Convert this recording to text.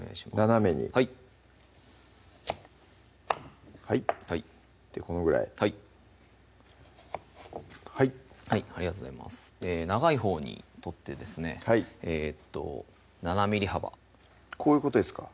斜めにはいはいでこのぐらいはいはいはいありがとうございます長いほうに取ってですね７ｍｍ幅こういうことですか？